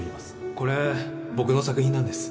これ僕の作品なんです